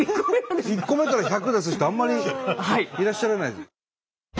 １個目から１００出す人あんまりいらっしゃらない。